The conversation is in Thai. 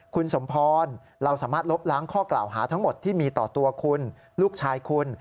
คุณสมพรเราสามารถลบล้างข้อกล่าวหาทั้งหมดที่มีต่อตัวคุณลูกชายคุณ